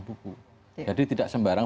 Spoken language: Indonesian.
buku jadi tidak sembarang